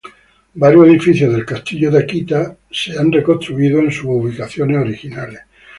Varios edificios del castillo de Akita han sido reconstruidos en sus ubicaciones originales